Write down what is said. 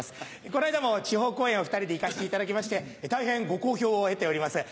この間も地方公演を２人で行かせていただきまして大変ご好評を得ております。